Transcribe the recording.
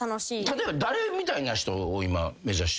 例えば誰みたいな人を今目指してるの？